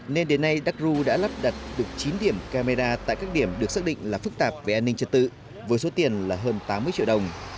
nên đến nay duck ru đã lắp đặt được chín điểm camera tại các điểm được xác định là phức tạp về an ninh trật tự với số tiền là hơn tám mươi triệu đồng